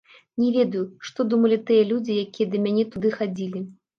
Не ведаю, што думалі тыя людзі, якія да мяне туды хадзілі.